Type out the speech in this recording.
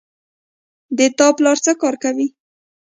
د تا پلار څه کار کوی